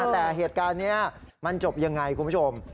แต่เหตุการณ์นี้มันจบยังไงคุณผู้ชม